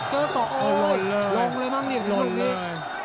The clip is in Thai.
เจอศอกโหลงเลยมั้งนี่ลงเลย